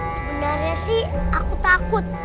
sebenarnya sih aku takut